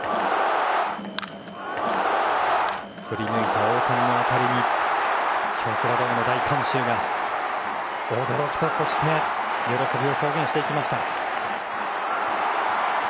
振り抜いた大谷の当たりに京セラドームの大観衆が驚きと喜びを表現していきました。